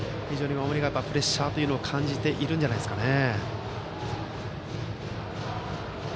守りはプレッシャーを感じているんじゃないですかね。